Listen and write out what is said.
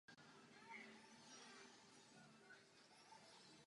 Nakonec jsme však jeho přijetí dosáhli.